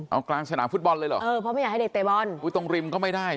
เอากลางสนามฟุตบอลเลยเหรอเออเพราะไม่อยากให้เด็กเตะบอลอุ้ยตรงริมก็ไม่ได้